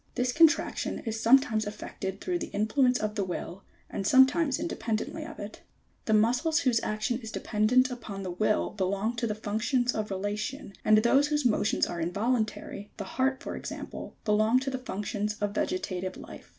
66. This contraction is sometimes effected through the influ ence of the Will and sometimes independently of it. 67. The muscles whose action is dependent upon the Will be long to the functions of relation, and those whose motions are involuntary (the heart for example) belong to the functions of vegetative life.